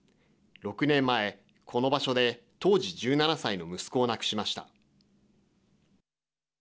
６年前、この場所で当時１７歳の息子を亡くしました。